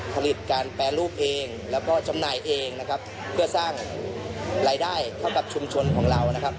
ผลิตการแปรรูปเองแล้วก็จำหน่ายเองนะครับเพื่อสร้างรายได้เข้ากับชุมชนของเรานะครับ